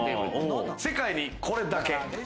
世界にこれだけ。